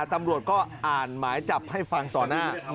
ตำรวจก็อ่านหมายจับให้ฟังต่อหน้า